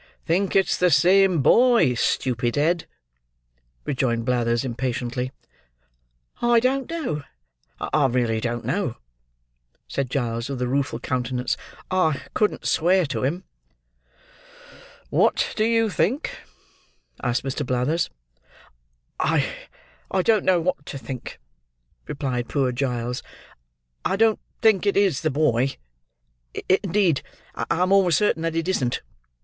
"Think it's the same boy, Stupid head?" rejoined Blathers, impatiently. "I don't know; I really don't know," said Giles, with a rueful countenance. "I couldn't swear to him." "What do you think?" asked Mr. Blathers. "I don't know what to think," replied poor Giles. "I don't think it is the boy; indeed, I'm almost certain that it isn't.